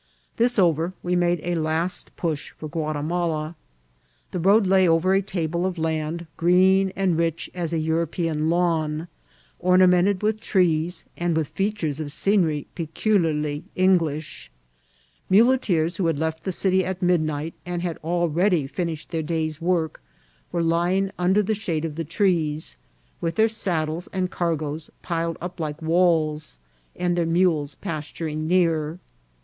This over, we made a last push for Guatimala. The road lay over a table of land, green and rich as a European lawn, ornamented with trees, and with features of scenery peculiarly English ; muleteers who had left the city at midnight, and had al* FI&8T TIBW OF TMB CITT. 18t ready finished their day's work, were lying under the shade of the trees, with their saddles and cargoes piled Ttp like walls, and their mules pasturing near.